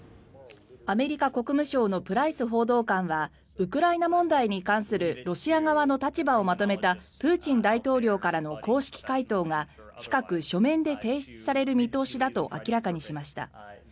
アメリカ国務省のプライス報道官はウクライナ問題に関するロシア側の立場をまとめたプーチン大統領からの公式回答が近く書面で提出される見通しだと明らかにしました。